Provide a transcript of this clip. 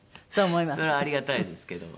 それはありがたいですけども。